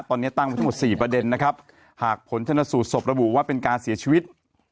ตอนนี้ตั้งไว้ทั้งหมด๔ประเด็นนะครับหากผลชนสูตรศพระบุว่าเป็นการเสียชีวิต